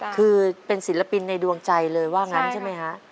คือเป็นศิลปินในดวงใจเลยว่างั้นใช่ไหมฮะ